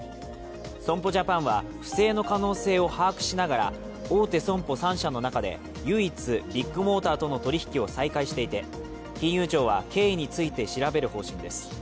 損保ジャパンは不正の可能性を把握しながら大手損保３社の中で唯一ビッグモーターとの取り引きを再開していて、金融庁は経緯について調べる方針です。